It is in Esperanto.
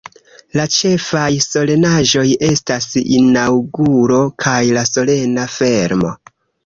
La ĉefaj solenaĵoj estas la Inaŭguro kaj la Solena Fermo.